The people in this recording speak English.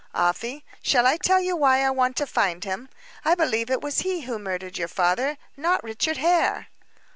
"Afy, shall I tell you why I want to find him; I believe it was he who murdered your father, not Richard Hare."